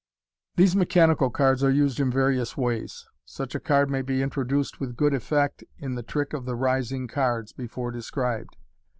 These mechanical cards are used in various ways. Such a card may be introduced with good effect in the trick of the "rising cards," before described.